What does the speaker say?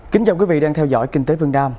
kính chào quý vị đang theo dõi kinh tế vương nam